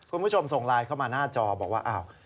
คุณผู้ชมส่งไลน์เข้ามาหน้าจอบอกว่าอ้าว